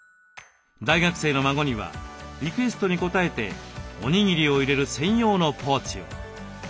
大学生の孫にはリクエストに応えておにぎりを入れる専用のポーチを。